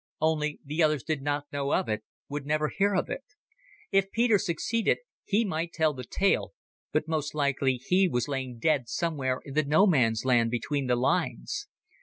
Only, the others did not know of it, would never hear of it. If Peter succeeded he might tell the tale, but most likely he was lying dead somewhere in the no man's land between the lines.